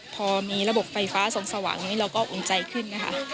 พอมีระบบไฟฟ้าส่องสว่างเราก็อุ่นใจขึ้น